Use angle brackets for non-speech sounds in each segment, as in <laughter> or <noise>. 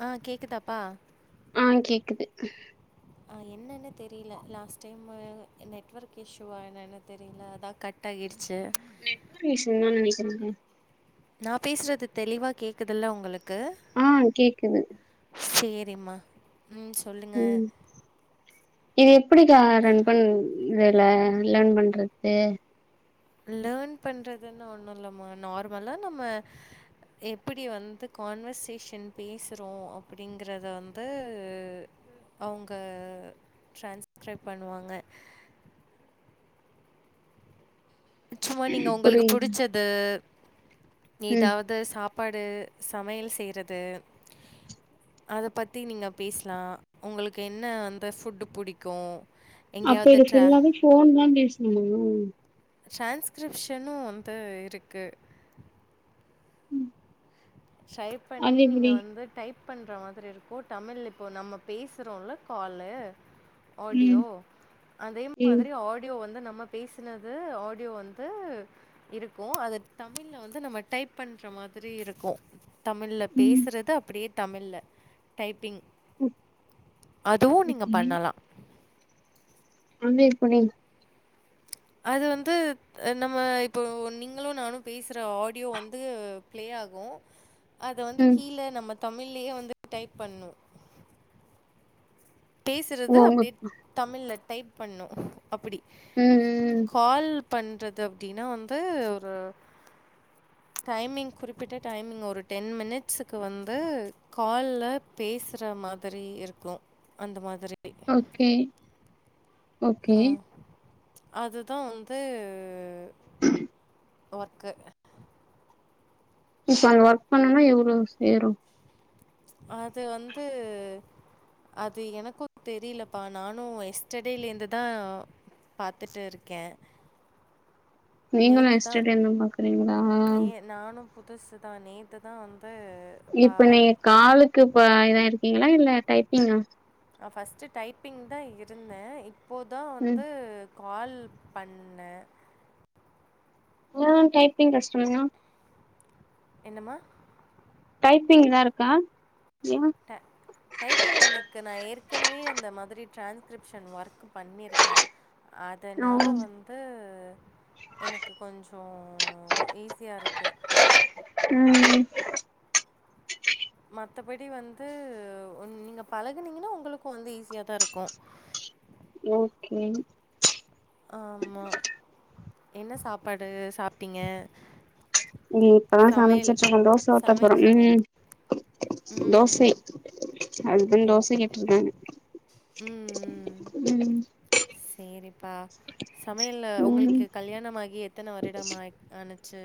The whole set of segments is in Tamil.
ஆ கேக்குதாப்பா ம் கேக்குது ஆ என்னன்னே தெரியல லாஸ்ட்டைம்மு நெட்ஒர்க் இஷ்யூுவா என்னன்னே தெரியல அதா கட் ஆகிடுச்சு. ப்ப நெட்ஒர்க் இஸ்சுதான்னு நெனக்குரேங்க நா பேசுறது தெளிவா கேக்குதுல்ல உங்களுக் ஆ கேக்குது விமா ம் சொல்லுங்க இதிப் எப்டிக்கா ரன் பன் வேல லேன் பண்றது லேர்ன் பண்றதுன்னு ஒண்ணு இல்லமா நார்மலா நம்ம எப்டி வந்து கான்வர்சேஷன் பேசுறோ அப்டிங்கறத வந்து அவுங்க டிரான்ஸ்கிரைப் பண்ணுவாங்க சும்மா நீங்க உங்களுக்கு புரில புடிச்சது ம் ஏதாவது சா சாப்பாடு சமையல் செய்றது அத பத்தி நீங்க பேசலா உங்களுக்கு என்ன அந்த ஃபுட்‌ புடிக்கு அப்போ இத ஃபுல்லாவே ஃபோன் தா பேசு செரி ம் ட்ரான்ஸ்கிரிப்ஷனு வந்து இருக்கு ம் ட்ரைப்பண்ணி அது நீங்க எப்டி வந்து டைப் பண்ற மாதிரி இருக்கு இப்போ தமிழ் இப்போ நம்ம பேசுறோல்ல காலு ம் ஆடியோ அதே ம் மாதிரி ஆடியோ வந்து நம்ம நம்ம பேசினத ஆடியோ வந்து இருக்கு அது தமிழ்ல வந்து நம்ம டைப் பண்ற மாதிரி இருக்கு தமிழ்ல ம் பேசுறத அப்டியே தமிழ்ல டைப்பிங் ஓ அதுவு நீங்க ஓகே பண்ணலா ஆமைப்பண்ணை <unintelligible> அது வந்து நம்ம இப்போ நீங்களு‌ நானு பேசுற ஆடியோ வந்து பிளே ஆகு அத வந்து ம் கீழே நம்ம தமிழ்லேயே வந்து டைப் பண்ணு ஓ பேசுறத உங்க அப்டியே தமிழ்ல்ல டைப் பண்ணு அப்புடி ம் ம் கால் பண்றது அப்டின்னா வந்து ஒரு டைமிங் குறிப்பிட்ட டைமிங் ஒரு டென் மினிட்ஸுக்கு வந்து கால்ல பேசுற மாதிரி இருக்கு அந்த மாதிரி ஓகே ஓகே அதுதா வந்து ஒர்க்கு இப்ப அங்க ஒர்க் பண்ணனா எவ்வளோ சேரு அது வந்து அது எனக்கு தெரிலப்பா நானு எஸ்டர்டேலேந்துதா பாத்துட்டு இருக்கே நீங்களு எஸ்டடேந்தா பாக்குறீங்ளா? நே நானு புதுசு தா நேத்து தா வந் இப்ப நீங்க காலுக்கு <unintelligible> இரு க்கிங்களா இல்ல டைப்பிங்கா நா பர்ஸ்ட்டு டைப்பிங் தா இருந்தே‌ இப் போதா ம் வந்து கால் பண்ணெ மொதலா டைப்பிங் கஷ்டம்னா என்னம்மா டைப்பிங்தா இருக்கா ஏ ட டைப்பிங் எனக்கு நா ஏற் கனவே அந்த மாதிரி ட்ரான்ஸ்கிரிப்ஷன் ஒர்க்கு பண்ணிருக்கே ஓ அதனால வந்து எனக்கு கொஞ்சோ ஈஸியா இருக்கு ம் மத்தபடி வந்து நீங்க உன் பழகுனிங்கனா உங்களுக்கு வந்து ஈஸியாதா இருக்கு ஓகே படு சாப்டிங்க ம் இப்பதா சமச்சுட்ருக்கொ தோச ஊத்தப்போறோ சமையல் சமையல் ம் ம் தோசை ம் ஹஸ்பண்ட் ஓ தோச கேட்ருக்காங்க ம் ம் ம் ப்பா சமையல்ல‌ ம் உங்களுக்கு கல்யாணம் ஆகி எத்தன வருடம் ஆ ஆனுச்சு?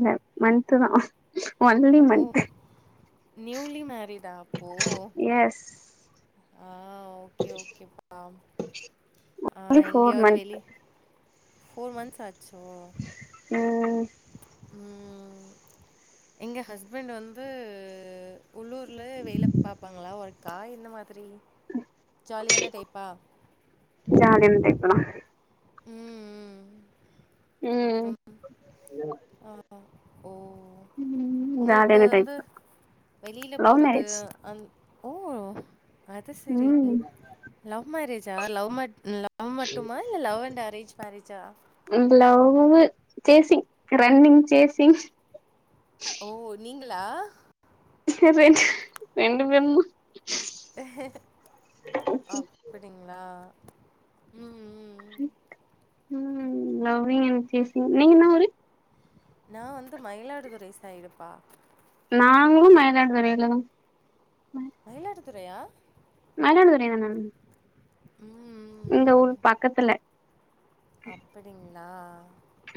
ல்ல மன்த்து தா ஒஹோ நியூலி மேரிடா அப்போ எஸ் ஆ ஆ ஓகே ஓகேப்பா ஆ ஒன்லி ஃபோர் எங்யாவுது மந்த் வெளி ஃபோர் மன்த்ஸ் ஆச்சோ ம் ம் எங்க ஹஸ்பண்ட் வந்து உள்ளூர்ல வேல பாப்பாங்களா ஒர்க்கா என்ன மாதிரி ஜாலியான டைப்பா ஜாலியான டைப்பு தா ம் ம் ம் ஆ ஓ ஓ உங்ளுக்கு ஜாலியான டைப் வந்து வெளில லவ் போறது மேரேஜ் அந் ஓ அது செரி ம் லவ் மேரேஜா லவ் மட் லவ் மட்டுமா இல்ல லவ் அண்ட் அரேஞ்ச் மேரேஜா லவ்வு சேசிங் ரன்னிங் சேசிங் ல்லா ரெண்டு ரெண்டு பேரும் தா அப்டிங்ளா ம் ம் ம் லவ்ரிங் அண்ட் சேசிங் நீங்க என்ன ஊரு நா வந்து மயிலாடுதுறை சைடுப்பா நாங்ளும் மயிலாடுதுறையிலதா மயிலாடுதுறையா ம் ம் ம் இந்த ஊரு பக்கத்துல அப்படிங் ளா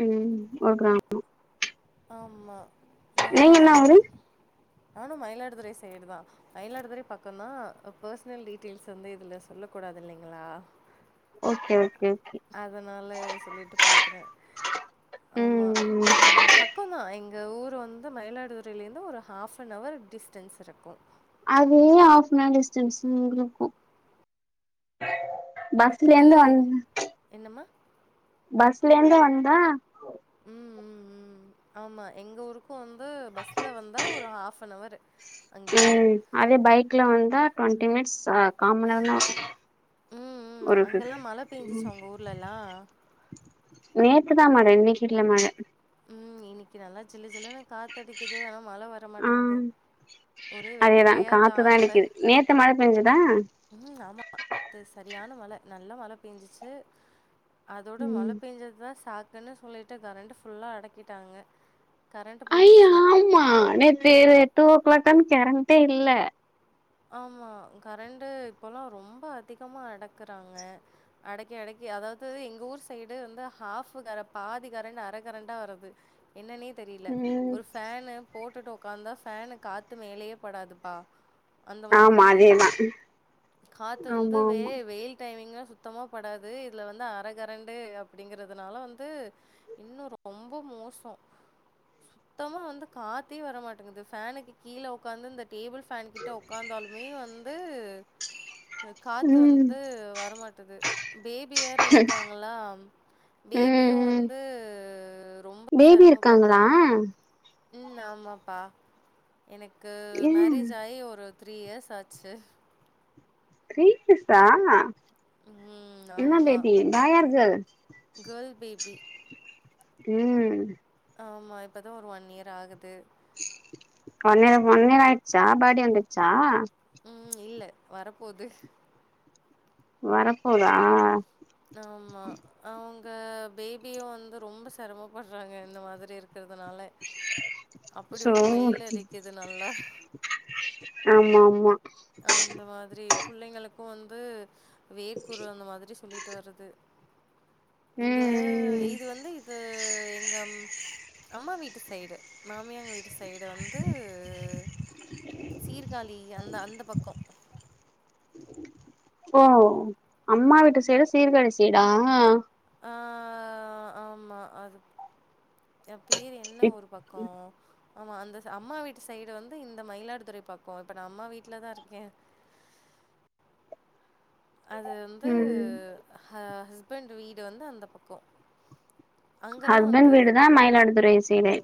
ம் ஒரு கிராமோ ஆமா நா நீங்க என்ன ஆமா ஊரு நானு மயிலாடுதுறை சைடு தா மயிலாடுதுறை பக்கோ தா பர்ஸ்னல் டீட்டெய்ல்ஸ் வந்து இதுல சொல்ல கூடாது இல்லிங்ளா ஓகே ஓகே ஓகே சொல்லிட்டு பாக்குறே ஆமா ம் ம் பக்கந்தா எங்க ஊர் வந்து மயிலாடுதுறைல இருந்து ஒரு ஆஃப் ஆன் அவர் டிஸ்டன்ஸ் இருக்கும் அதே ஆஃப் ஆன் அவர் டிஸ்டன்ஸ் எங்ளுக்கும் க்கு பஸ்லருந்து வந்து என்னம்மா பஸ்லந்து வந்தா ம் ம் ம் ஆமா எங்க ஊருக்கும் வந்து பஸ்ல வந்தா ஒரு ஆஃப் அன் அவரு ம் அதே பைக்ல வந்தா ட்வெண் டி நிமிட்ஸ் சா காம நேரோ ம் ம் தா அங்கெல்லா மழ பேஞ்சுச்சா உங்க ஊர்லல்லா நேத்துதா மழ இன்னிக்கில்ல மழ இன்னிக்கு நல்லா ஜிலு ஜிலுன்னு காத்தடிக்குது ஆனா மழ ஆ வரமாட்டங்து ஒரே அதேதா வெக்கையா காத்துதா தாங்கல அடிக்குது நேத்து மழ பெஞ்சுதா ம் ஆமா அது சரியான மழ நல்லா மழ பேஞ்சிச்சு அதோட மழ ம் பேயஞ்சதுதா சாக் க்ன்னு சொல்லிட்டு கரெண்டு் ஃபுல்லா அடக்கிட்டாங்க கரண்ட் அய்யா போயிடுச்சு ஆமா நேத்து டூ ஓ கிளாகானு கேரண்ட்டே இல்ல ஆமா கரண்ட் இப்பெல்லா ரொம்ப அதிகமா அடக்குறாங்க அடக்கி அடக்கி அதாவது எங்க ஊர் சைடு வந்து ஹாப் கர பாதி கரண்ட் அர கரண்டா வருது என்னன்னே தெரில ம் ஒரு ஃபேனு போட்டுட்டு உக்காந்தா ஃபேன் காத்து மேலேயே படாதுப்பா அந்த மாதிரி ஆமா இருக்கு அதேதா காத்து வந்து ஆமா வெ ஆமா வெயில் டைமிங் இங்க சுத்தமா படாது இதுல வந்தா அரகரண்டு அப்பிடிங்கறதுனால வந்து இன்னு ரொம்போ மோசோ சுத்தமா வந்து காத்தே வரமாட்டுங்குது ஃபேனுக்கு கீழ உக்காந்து இந்த டேபிள் ஃபேன் கி கிட்ட உக்காந்தாலுமே வந்து காத்து ம் வந்து வரமாட்டுது பேபி வேற இருக்காங்களா ம் பேபியு ம் வந்து <unintelligible> பேபி இருக்காங்களா சிரமப்படுறாங்க. ம் ஆமாப்பா எனக்கு ம் மேரேஜ் ஆயி ஒ ஒரு ஃத்ரி இயர்ஸ் ஆச்சி ஃத்ரி கிஸ் ஆ ம். என்ன ஆமா. Baby boy or girl girl baby. ம் ஆமா இப்ப தா ஒரு ஒன் இயர் ஆகுது <unintelligible> ஆயிருச்சா பாடி வந்திச்சா ம் இல்ல வரபோது வரப்போதா ஆ பேபியு வந்து ரொம்ப செரமப்பறாங்க இந்த மாதிரி இருக் இக்றதுனால அப்பிடி சோ ஒரு வெயில அடிக்குது நல்லா ஆமா ஆமா அந்த மாதிரி புள்ளைங்களுக்கு வந் பெ வேர்க்குரு அந்த மாதிரி சொல்லிட்டு வருது இங்க ம் இது வந்து இது எங்கம் அம்மா வீட்டு சைடு மாமியாங்க வீட் த்தி சைடு வந்து சீர்காழி அந்த அந்த ஓ அம்மா வீட்டு சைடு சீர்காழி சைடா ஆ ஆமாம் அது எப் பேரு என்ன ஒரு பக்கோ ஆமா அந்த அம்மா வீட்டு சைடு வந்து இந்த மயிலடுதுறை பக்கோ இப்ப நா அம்மா வீட்டுலதா இருக்கே அது வந்து ம் ஹாஸ் ஸ்பண்ட் வீடு வந்து அந்த பக்கோ அங்கெல்லா ஹஸ்பண்ட் வந்து வீடுதா மயிலாடுதுறை சைடு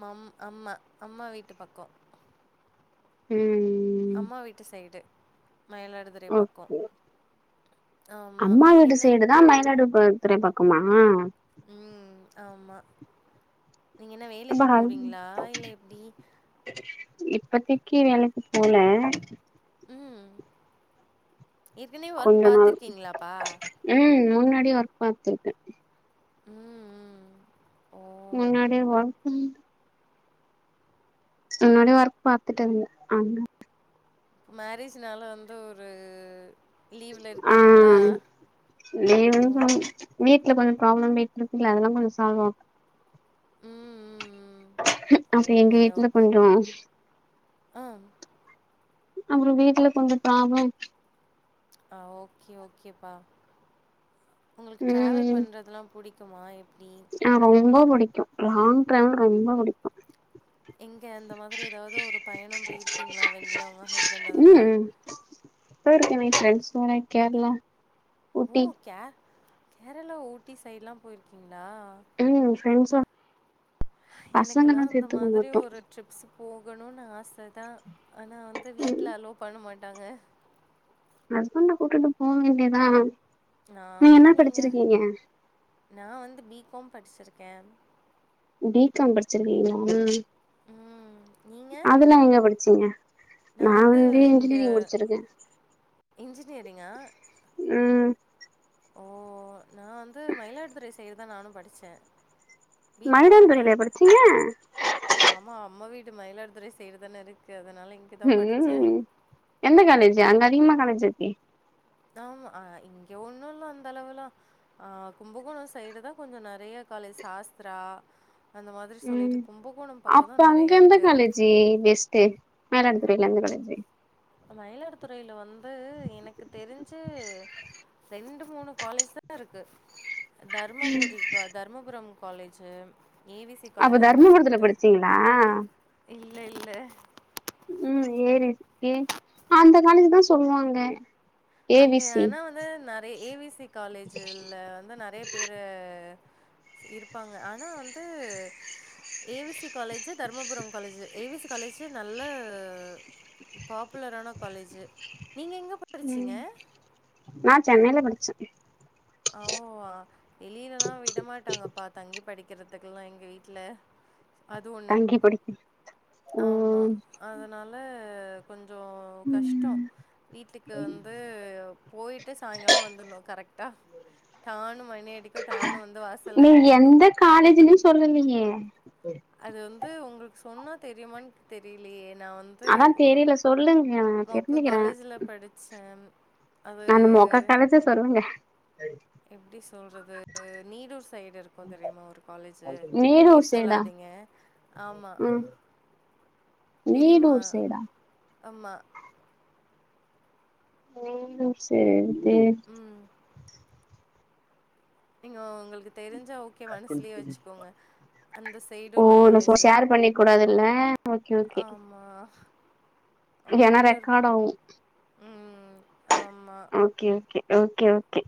மம் அம்மா அம்மா வீட்டு பக்கோ உ அம்மா வீட்டு சைடு மயிலாடுதுறை பக்கோ ஓகே ஆமா அம்மா நீங்க வீட்டு என்ன சைடு தா மயிலாடு போ திரை பக்கமா உ ஆமா நீங்க என்ன அப்ப வேலைக்கு ஹஸ் போறீங்ளா இல்ல எப்டி இப்பத்திக்கி வேலைக்கு போல இருக்குனே ஒர்க் கொஞ்ச நாள் பாத்துருக்கீங்களாப்பா ம் முன்னாடி ஒர்க் பாத்திருக்கே உ உ <unintelligible> முன்னாடியே ஒர்க்கு உன்னோட ஒர்க் பாத்துட்டங்க ஆ <unintelligible> மேரேஜ்ஜனால வந்து ஒரு லீவ்ல ஆ இருக்கீங்களா? ஓ! லீவுனு சொல் வீட் வீட்ல கொஞ்சோ பிராப்ளம்யிட்டு இருக்குல்ல அதெல்லா கொஞ்ச சால்வாகு ம், ம். அப்ப எங்க ஓகே, வீட்டுல ஓகே. கொஞ்சோ ஆ, அப்றற வீட்டுல கொஞ்சோ பிராப்ளம் ஆ ஓகே ஓகேப்பா உங்களுக்கு டிராவல் பண்றதுலா புடிக்க மா எப்டி ஆ ரொம்ப புடிக்கு லாங் டிரைவ் ரொம்ப பிடிக்கு எங்க அந்த மாதிரி ஏதாவது ஒரு பயணம் போயிருக்கீங்களா வெளில உவங்க ஹஸ்பண்ட் கூட போய்ருகேனே <unintelligible> வரக்கேர்லா உ கேர் கேரளா ஊட்டி சைடுலா போய்ருகிங் ம் ஃப்ரெண்ட்ஸோட எனக்கெல்லா அந்த சேத்துக்க மாதிரி மாட்டோ ஒரு ட்ரிப்ஸ் போகணுனு ஆச தா ஆனா வந்து ம் வீட்ல அலோ பண்ண மாட் டாங்க ஹஸ்பண்ட கூட்டிட்டு போ வேண்டிதா நாமா நீங்க நா வந்து பி கம் படிச்சிருக் க பி கம் படிச்சிருக்கீங்ளா ம். நீங்க? அதெல்லா எங்க படிச்சீங்க நா நான் வந்து இங்க இன்ஜினியரிங் முடிச்சிருக்க இன்ஜினியரிங்கா? ம் ஓ நா வந்து மயிலாடுதுறை சைடு தா நானும் படிச்ச மயிலாடுதுறையில்லையா படிச்சீங்க ஆமா, அம்மா வீடு மயிலாடுதுறை சைடு தானருக்கு அதன் ம் எந்த காலேஜி அங்க அதிகமா காலே ஜ் இருக்கே தாமா ஆ இங்க ஒண்ணு இல்ல அந்த அளவுல ஆ கும்பகோணோ சைடு தா கொஞ்சோ நறைய காலேஜ் சாஸ்த்ரா அந்த மாதிரி ம் சொல்லிட்டு கும்பகோணம் பக்கம் அப்ப தான் அங்க நெறையா எந்த இருக்கு. காலேஜி பெஸ்ட்டு மயிலாடுதுறைல எந்த காலேஜு மயிலாடுதுறையில வந்து எனக்கு தெரிஞ்சு ரெண்டு மூணு காலேஜ் தா இருக்கு தர்மபுரி கோ தர்மபுரம் காலேஜு ஏவிசி அப்ப காலேஜ் அந்த மாரி தர்மபுரத்துல சொல்லிட்டு படிச்சிங்ளா இல்ல இல்ல ம் ஏ டி ஏ அந்த காலேஜ் தா சொல்லுவாங்க ஏ அங்க பி சி ஆனா வந்து நறை ஏ வி சி காலேஜ்ல வந்து நறைய பேர இருப்பாங்க ஆனா வந்து A V C college Dharmapuram college A V C college நல்ல பாப்புலரான காலேஜு நீங்க எங்க ப ம் நா சென்னல படுச் சத்தி அவ்வா வெளிலல்லா விடமாட்டாங்கப்பா தங்கி படிக்றதுகெல்லா எங்க வீட்ல அது ஒன்னு தங்கி படிக்க ஆமா ம் அதனால கொஞ்சோ கஷ்டோ ம் வீட்டுக்கு வந்து போயிட்டு சாய்ங்காலோ வந்துர்ணு கரெக்டா டானு மணி அடிக்கு டானு வந்து வாசல்ல நீங்க நின்றிணு எந்த காலேஜ்ன்னு <unintelligible> அது வந்து உங்களுக் சொன்னா தெரியுமானு தெரியலையே நா வந்து அதா ஒரு தெரியல சொல்லுங்க நா மொக்க காலேஜில படிச்செ நானு மோக்க காலேஜே <unintelligible> எப்டி சொல்றது நீடுர் சைடு இருக்கு தெரியுமா ஒரு காலேஜு நீடூர் பேர் சைடா சொல்லாதீங்க ஆமா ம் தெரியுமா நீடூர் சைடா ஆமா நீடுர்சே தே ம் நீங்க உங்களுக்கு தெரிஞ்சா ஓகேவா மனசுலயே வச்சுக்கோங்க அந்த சைடு ஓ உள்ள நா சொ காலேஜ் ஷேர் பண்ணிக்க கூடாதுல்ல ஆமா ஆமா ஏனா நீடூர் ரெக்கார்ட் ஆவு ம் ஆமா ஓகே ஓகே ஓகே ஓகே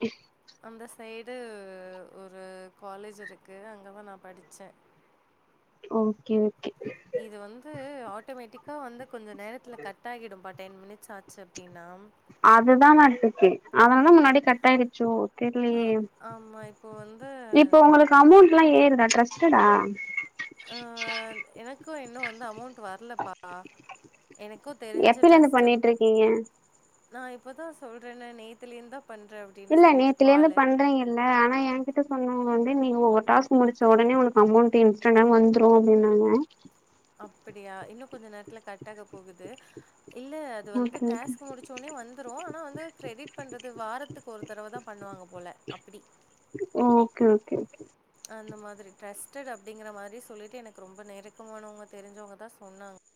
அந்த சைடு ஒரு காலேஜ் இருக்கு அங்கேதா நா படிச்செ ஓகே ஓ இது வந்து ஆட்டோமேட்டிக் கா வந்து கொஞ்ச நேரதில கட்ட ஆகிடு பாட் டென் மினிட்ஸ் ஆச்சு அப்டின்னா அதுதா நாட்டுகே அதனால முன்னாடி கட்டாய்ரிச்சோ ஆ தெரிலயே ஆமா. இப்போ வந்து இப்ப உங்களுக்கு அமௌண்ட்லா ஏறுதா ட்ரஸ் ஸ்டுடா அ எனக்கு இன்னு வந்து அமௌண்ட் வர்லப்பா எப்பலேந் பண்ணிட்ர்கீங்க நா இப்பதா சொல்றேனே நேத்திலேந்தாப் இல்ல நேத்லேந்து பண்றீங்கல்ல ஆனா ஏங்கிட்ட சொல்னு இங்க வந்து நீங்க ஒவ்வரு டாஸ்க் முடிச்ச உடனே உனக்கு அமொண்ட் இன்ஸ்டா வந்துரு அப்டின்னாங்க அப்டியா இன்ன கொஞ்சோ நேரத்ல கட்டாக போகுது இல்ல அது வந்து ஓகே டாஸ்க் முடிச்சோனே வந்துரு ஆனா வந்து கிரெடிட் பண்றது வாரத்துக் ஒரு தடவ தா பண்ணுவாங்க போல அப்டி ஓகே ஓகே ஓகே அந்த மாதிரி ட்ரெஸ் ட்டுடு அப்டிங்கிற மாரி சொல்லிட்டு எனக்கு ரொம்ப நெருக்கமானவங்க தெரிஞ்சங்கதா சொன்னாங்